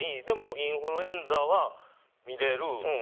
でも、インフルエンザは診られる。